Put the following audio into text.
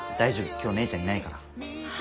今日姉ちゃんいないから。